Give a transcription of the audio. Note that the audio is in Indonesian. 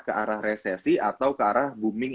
ke arah resesi atau ke arah booming